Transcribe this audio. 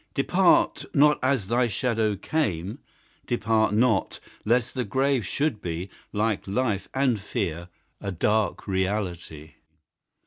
Depart not as thy shadow came, Depart not lest the grave should be, Like life and fear, a dark reality.